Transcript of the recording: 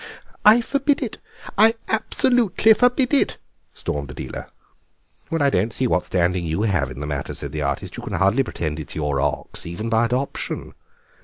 "I forbid it; I absolutely forbid it!" stormed Adela. "I don't see what standing you have in the matter," said the artist; "you can hardly pretend that it's your ox, even by adoption."